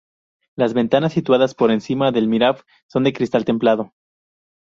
Las ventanas situadas por encima del "mihrab" son de cristal templado.